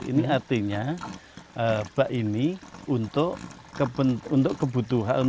ini artinya bak ini untuk kebutuhan